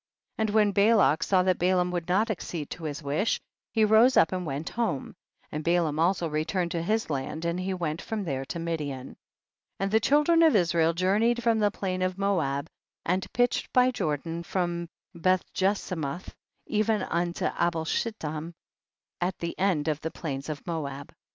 50. And when Balak saw that Ba laam would not accede to his wish, he rose up and went home, and Ba laam also returned to his land and he went from there to Midian. 5L And the children of Israel journeyed from the plain of Moab, and pitched by Jordan, from Beth jesimoth even unto Abel shiltim, at the end of the plains of Moab. 52.